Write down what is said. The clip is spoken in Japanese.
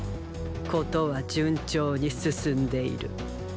ことは順調に進んでいる。